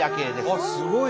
あっすごいわ。